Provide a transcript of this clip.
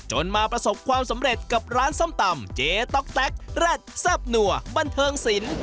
มาประสบความสำเร็จกับร้านส้มตำเจ๊ต๊อกแต๊กแร็ดแซ่บหนัวบันเทิงสิน